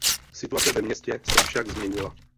Situace ve městě se však změnila.